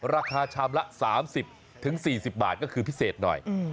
ราคาชามละ๓๐๔๐บาทก็คือพิเศษหน่อย